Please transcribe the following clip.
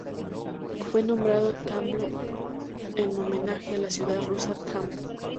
Fue nombrado Tambov en homenaje a la ciudad rusa Tambov.